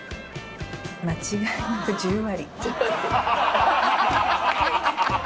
間違いなく十割。